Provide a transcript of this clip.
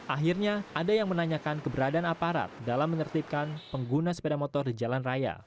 akhirnya ada yang menanyakan keberadaan aparat dalam menertibkan pengguna sepeda motor di jalan raya